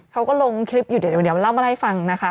เขาก็ลงคลิปอยู่เดี๋ยวเล่ามาให้ฟังนะคะ